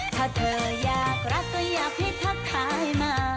ถ้าเธออยากรักก็อยากให้ทักทายมา